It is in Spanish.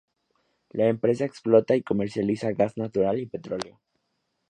La empresa explota y comercializa gas natural y petróleo.